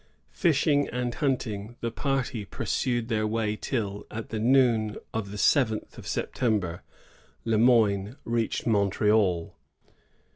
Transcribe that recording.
Fish ing and hunting, the party pursued their way till, at noon of the seventh of September, Le Moyne reached Montreal.